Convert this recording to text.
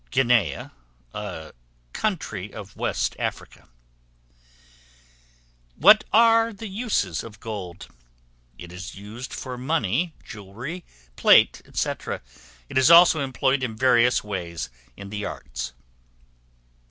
Guinea, a country of Western Africa. What are the uses of Gold? It is used for money, jewelry, plate, &c. It is also employed in various ways in the arts.